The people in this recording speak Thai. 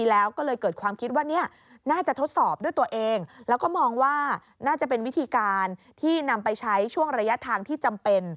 แล้วก็มองว่าน่าจะเป็นวิธีการที่นำไปใช้ช่วงระยะทางที่จำเป็น